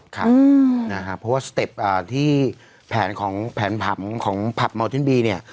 ค่ะนะคะเพราะว่าสเต็ปที่แผนของแผนผับของผับมัลตินบีเนี่ย